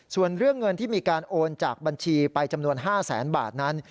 ส่วนเรื่องเงินที่มีการโอนจากบัญชีไปจำนวน๕แสนบาทนั้น